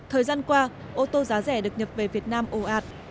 thời gian qua ô tô giá rẻ được nhập về việt nam ồ ạt